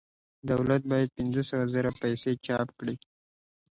دولت باید پنځه سوه زره پیسې چاپ کړي